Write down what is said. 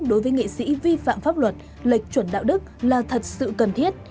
đối với nghệ sĩ vi phạm pháp luật lệch chuẩn đạo đức là thật sự cần thiết